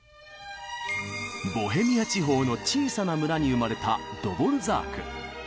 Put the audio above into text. ボヘミア地方の小さな村に生まれたドボルザーク。